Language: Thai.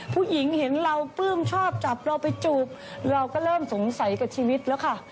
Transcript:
ผู้หญิงเห็นเราปลื้มชอบจับเราไปจูบเราก็เริ่มสงสัยกับชีวิตแล้วค่ะ